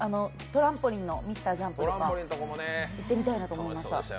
トランポリンのＭｒ．ＪＵＭＰとか行ってみたいなと思いました。